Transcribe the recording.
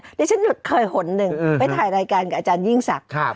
เดี๋ยวฉันมีฝนหนึ่งไปถ่ายรายการกับอาจารย์ยิ่งสัก